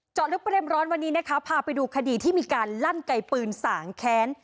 เจาะลึกเป็นเร็มร้อนวันนี้พาไปดูคดีที่มีการลั่นไก่ปืนสางแค้น